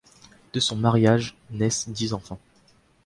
De son mariage naissent dix enfants.